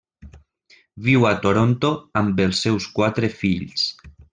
Viu a Toronto amb els seus quatre fills.